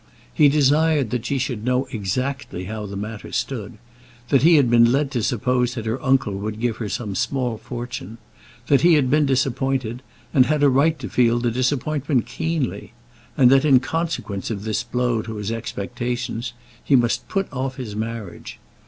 He desired that she should know exactly how the matter stood; that he had been led to suppose that her uncle would give her some small fortune; that he had been disappointed, and had a right to feel the disappointment keenly; and that in consequence of this blow to his expectations, he must put off his marriage.